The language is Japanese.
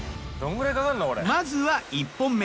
まずは１本目。